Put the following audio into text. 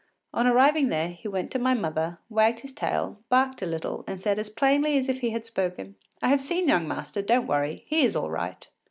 On arriving there, he went to my mother, wagged his tail, barked a little, and said as plainly as if he had spoken: “I have seen young master; don’t worry; he is all right.